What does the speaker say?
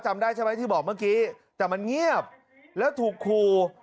จำได้ใช่ไหมที่บอกเมื่อกี้แต่มันเงียบแล้วถูกคู่